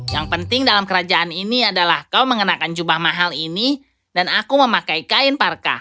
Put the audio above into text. yang penting dalam kerajaan ini adalah kau mengenakan jubah mahal ini dan aku memakai kain parka